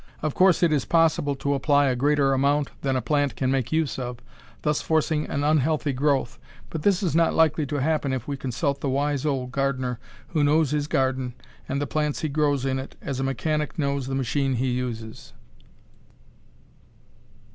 Of course it is possible to apply a greater amount than a plant can make use of, thus forcing an unhealthy growth, but this is not likely to happen if we consult the wise old gardener who knows his garden and the plants he grows in it as a mechanic knows the machine he uses.